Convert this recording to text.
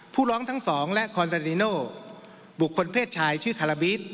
ผู้ร้องทั้งสองและคอนเซนีโน่บุคคลเพศชายชื่อคาราบิท